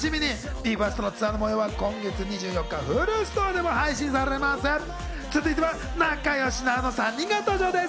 ＢＥ：ＦＩＲＳＴのツアーの模様は今月２４日、Ｈｕｌｕストアでも配信されます。